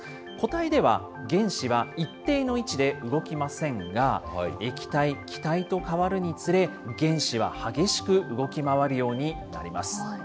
固体では原子は一定の位置で動きませんが、液体、気体と変わるにつれ、原子は激しく動き回るようになります。